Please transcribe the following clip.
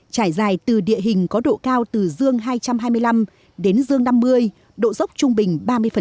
trải dài từ địa hình có độ cao từ dương hai trăm hai mươi năm đến dương năm mươi độ dốc trung bình ba mươi